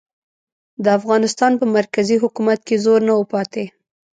د افغانستان په مرکزي حکومت کې زور نه و پاتې.